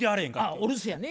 お留守やね。